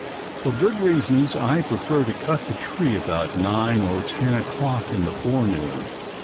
For good reasons I prefer to cut the tree about nine or ten o'clock in the forenoon.